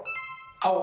青。